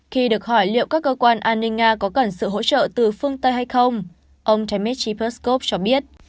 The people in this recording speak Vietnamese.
khi được hỏi liệu các cơ quan an ninh nga có cần sự hỗ trợ từ phương tây hay không ông thmed tripuskov cho biết